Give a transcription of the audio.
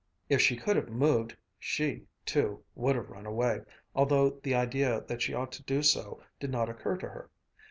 If she could have moved, she, too, would have run away, although the idea that she ought to do so did not occur to her.